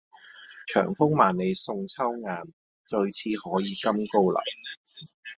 長風萬里送秋雁，對此可以酣高樓